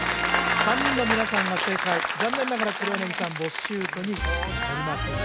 ３人の皆さんが正解残念ながら黒柳さんボッシュートになります